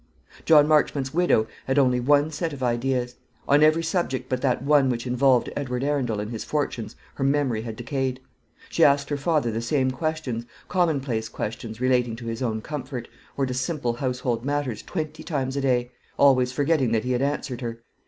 John Marchmont's widow had only one set of ideas. On every subject but that one which involved Edward Arundel and his fortunes her memory had decayed. She asked her father the same questions commonplace questions relating to his own comfort, or to simple household matters, twenty times a day, always forgetting that he had answered her.